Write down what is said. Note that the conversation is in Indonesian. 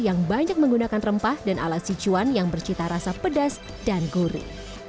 yang banyak menggunakan rempah dan ala si cuan yang bercita rasa pedas dan gurih